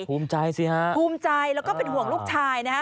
ภูมิใจสิฮะภูมิใจแล้วก็เป็นห่วงลูกชายนะฮะ